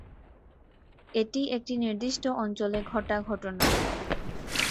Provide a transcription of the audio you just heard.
এটি একটি নির্দিষ্ট অঞ্চলে ঘটা ঘটনা।